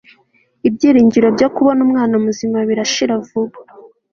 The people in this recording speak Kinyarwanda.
ibyiringiro byo kubona umwana muzima birashira vuba